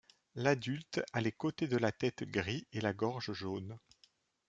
L'adulte a les côtés de la tête gris et la gorge jaune.